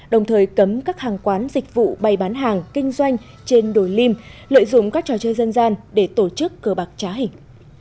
đồng thời cấm các hàng quán dịch vụ bay bán hàng kinh doanh trên đồi lim lợi dụng các trò chơi dân gian để tổ chức cờ bạc trá hình